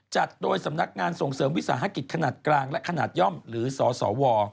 จัดโดยสำนักงานส่งเสริมวิสาหกิจขนาดกลางและขนาดย่อมหรือสสว